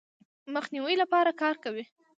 مخنیوي لپاره کار کوي.